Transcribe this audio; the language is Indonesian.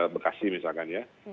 bekasi misalkan ya